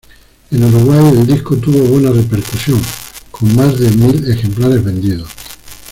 En Uruguay el disco tuvo buena repercusión, con más de mil ejemplares vendidos.